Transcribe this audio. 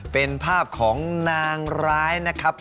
เป็นภาพของนางร้ายนะครับ